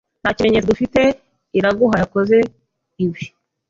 Nta kimenyetso dufite Iraguha yakoze ibi.